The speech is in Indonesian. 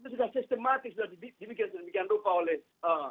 itu sudah sistematis sudah dibikin sedemikian rupa oleh